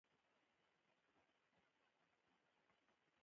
نو که ویښته مو تر دغه عمره مخکې سپینېږي